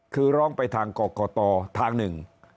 คือร้องไปทางกรกตทางหนึ่ง